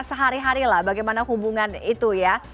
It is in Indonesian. kita sehari harilah bagaimana hubungan itu ya